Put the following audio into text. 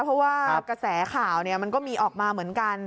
เพราะว่ากระแสข่าวมันก็มีออกมาเหมือนกัน